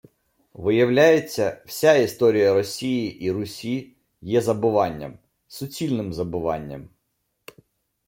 Виявляється, вся історія Росії й Русі є забуванням! Суцільним забуванням